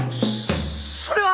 そそれは！